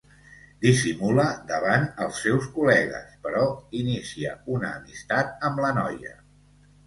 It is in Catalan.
Dissimula davant els seus col·legues, però inicia una amistat amb la noia.